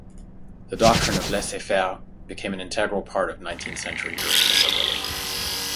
The doctrine of "laissez-faire" became an integral part of nineteenth-century European liberalism.